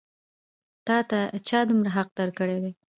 تا ته چا دومره حق درکړی دی؟